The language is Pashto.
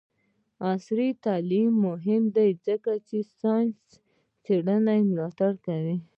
عصري تعلیم مهم دی ځکه چې د ساینسي څیړنو ملاتړ کوي.